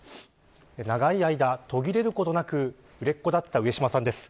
長い間、途切れることなく売れっ子だった上島さんです。